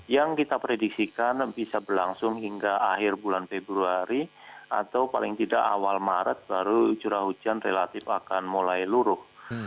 yang kita prediksikan bisa berlangsung hingga akhir bulan februari atau paling tidak awal maret baru curah hujan relatif akan mulai luruh